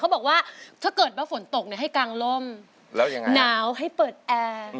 เขาบอกว่าถ้าเกิดมาฝนตกให้กลางล่มหนาวให้เปิดแอร์